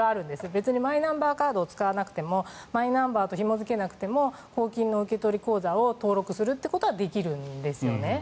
別にマイナンバーカードを使わなくてもマイナンバーとひも付けなくても公金の受取口座を登録するということはできるんですよね。